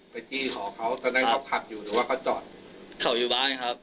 จี้หอเขาตอนนั้นเขาขับอยู่แต่ว่าเขาจอดเขาอยู่บ้านครับ